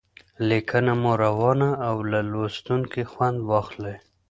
لیکنه مو روانه او له لوستونکي خوند واخلي.